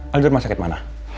lalu di rumah sakit mana